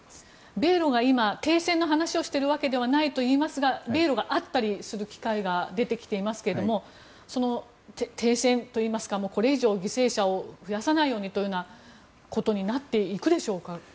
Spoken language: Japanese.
米ロが今、停戦の話をしているわけではないといいますが米ロが会ったりする機会が出てきていますけれども停戦というか、これ以上犠牲を増やさないようにということになっていくでしょうか。